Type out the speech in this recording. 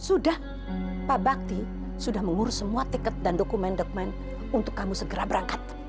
sudah pak bakti sudah mengurus semua tiket dan dokumen dokumen untuk kamu segera berangkat